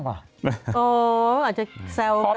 อ๋ออาจจะแซวกัน